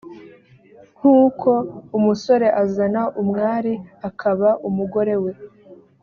nk uko umusore azana umwari akaba umugore we